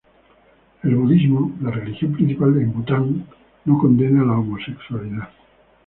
El budismo, la religión principal en Bután, no condena la homosexualidad.